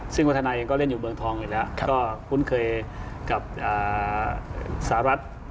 ซึ่งวัฒนาเองก็เล่นอยู่เมืองทองอยู่แล้วก็คุ้นเคยกับสหรัฐ